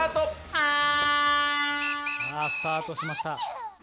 さあ、スタートしました。